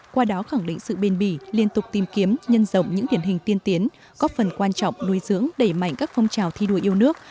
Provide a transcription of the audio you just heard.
qua đó khẳng định sự bền bỉ liên tục tìm kiếm nhân rộng những điển hình tiên tiến góp phần quan trọng nuôi dưỡng đẩy mạnh các phong trào thi đua yêu nước